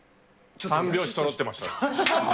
３拍子そろってました。